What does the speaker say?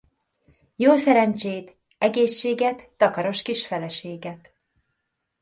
Jó szerencsét, egészséget, takaros kis feleséget!